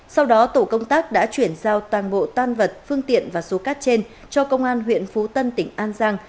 sau đó tổ công tác đã chuyển giao toàn bộ tan vật phương tiện và số cát trên cho công an huyện phú tân tỉnh an giang